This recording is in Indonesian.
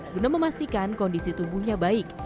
guna memastikan kondisi tubuhnya baik